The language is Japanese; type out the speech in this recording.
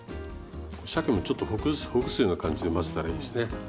しゃけもちょっとほぐすような感じで混ぜたらいいですね。